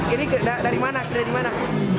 ini dari mana